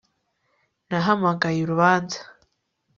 Nahamagaye urubanza